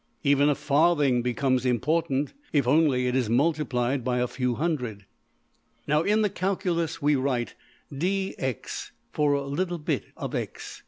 Even a farthing becomes important if only it is multiplied by a few hundred. Now in the calculus we write $dx$ for a little bit of~$x$.